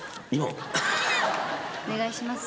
お願いします。